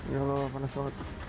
ya allah panas banget